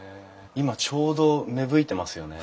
今ちょうど芽吹いてますよね。